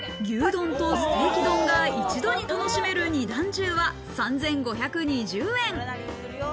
牛丼とステーキ丼が一度に楽しめる二段重は３５２０円。